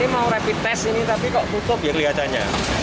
ini mau rapid test ini tapi kok tutup ya kelihatannya